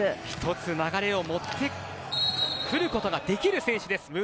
一つ、流れを持ってくることができる選手です。